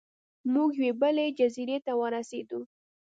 موږ یوې بلې جزیرې ته ورسیدو.